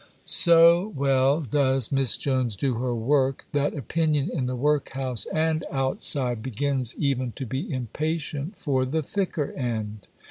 So well does Miss Jones do her work that opinion, in the workhouse and outside, begins even to be impatient for the thicker end.